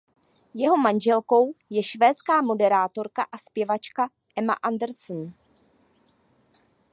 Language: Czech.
Jeho manželkou je švédská moderátorka a zpěvačka Emma Andersson.